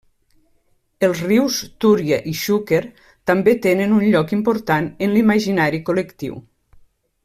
Els rius Túria i Xúquer també tenen un lloc important en l'imaginari col·lectiu.